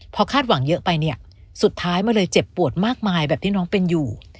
พอคาดหวังเยอะไปเนี่ยสุดท้ายมันเลยเจ็บปวดมากมายแบบที่น้องเป็นอยู่